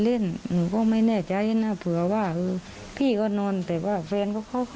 เล่นหนูก็ไม่แน่ใจนะเผื่อว่าพี่ก็นอนแต่ว่าเฟนก็